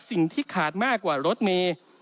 สิ่งที่ขาดมากกว่ารถเมย์